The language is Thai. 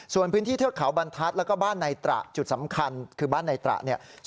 ส่วนพื้นที่เทือกเขาบรรทัศน์แล้วก็บ้านในตระจุดสำคัญคือบ้านในตระเนี่ย